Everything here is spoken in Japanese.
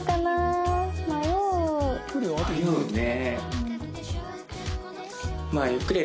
迷うね。